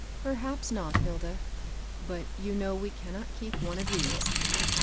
" Perhap not, Hilda ; but you know we cannot keep one of these.